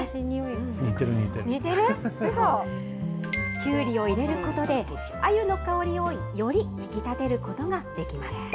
きゅうりを入れることで、あゆの香りをより引き立てることができます。